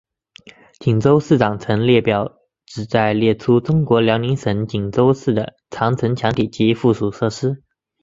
锦州市长城列表旨在列出中国辽宁省锦州市的长城墙体及附属设施。